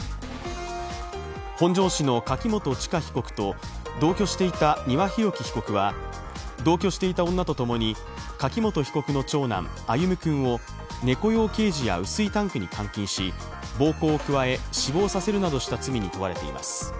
本庄市の柿本知香被告と同居していた丹羽洋樹被告は同居していた女と共に柿本被告の長男、歩夢くんを猫用ケージや雨水タンクに監禁し暴行を加え死亡させるなどした罪に問われています。